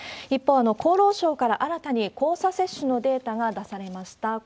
一方、厚労省から新たに交差接種のデータが出されました。